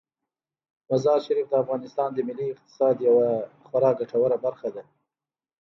مزارشریف د افغانستان د ملي اقتصاد یوه خورا ګټوره برخه ده.